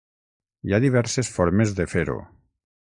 Hi ha diverses formes de fer-ho.